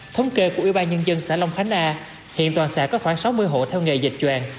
thống kê của yên bàn nhân dân xã long khánh a hiện toàn xã có khoảng sáu mươi hộ theo nghề dệt choàng